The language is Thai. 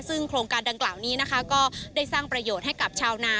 ซึ่งโครงการดังกล่าวนี้นะคะก็ได้สร้างประโยชน์ให้กับชาวนา